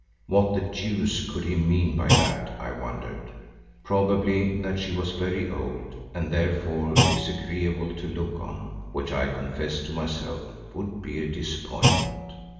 What the deuce could he mean by that, I wondered? Probably that she was very old and therefore disagreeable to look on, which I confessed to myself would be a disappointment.